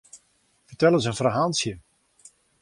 Fertel ris in ferhaaltsje?